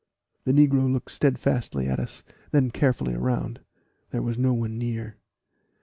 The negro looked steadfastly at us, then carefully around. There was no one near.